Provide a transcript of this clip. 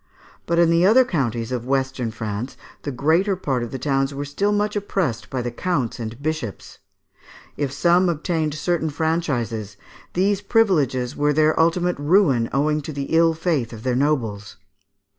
But in the other counties of western France, the greater part of the towns were still much oppressed by the counts and bishops. If some obtained certain franchises, these privileges were their ultimate ruin, owing to the ill faith of their nobles.